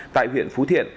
tại huyện phú thiện